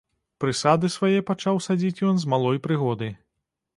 Прысады свае пачаў садзіць ён з малой прыгоды.